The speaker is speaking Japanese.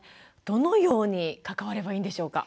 どのように関わればいいんでしょうか？